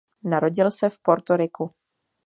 Narodil se v Portoriku.